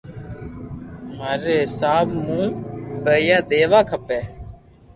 ماري حيساب مون پيئا ديوا کپي